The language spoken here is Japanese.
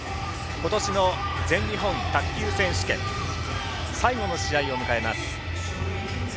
今年の全日本卓球選手権最後の試合を迎えます。